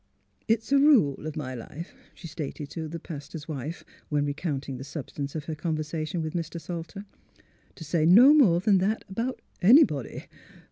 " It's a rule o' my life," — she stated to her pas tor's wife, when recounting the substance of her conversation with Mr. Salter —'^ to say no more than that about anybody.